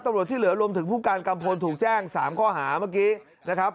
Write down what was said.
ตำรวจที่เหลือรวมถึงผู้การกัมพลถูกแจ้ง๓ข้อหาเมื่อกี้นะครับ